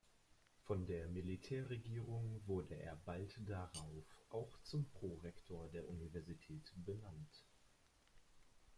Von der Militärregierung wurde er bald darauf auch zum Prorektor der Universität benannt.